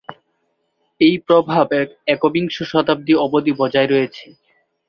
এই প্রভাব একবিংশ শতাব্দী অবধি বজায় রয়েছে।